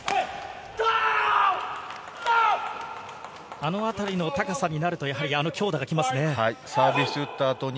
あのあたりの高さになると、あの強打がきますね。